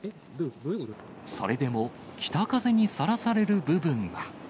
それでも、北風にさらされる部分は。